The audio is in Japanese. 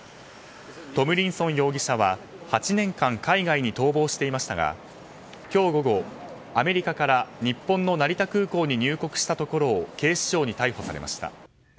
トムリンソン容疑者は８年間海外に逃亡していましたが今日午後、アメリカから日本の成田空港に入国したところを警視庁に逮捕されました。